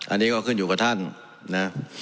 อันนี้ก็ขึ้นอยู่กับท่านนะ